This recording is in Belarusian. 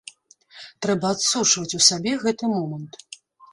Трэба адсочваць у сабе гэты момант.